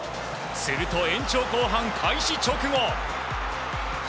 すると延長後半開始直後。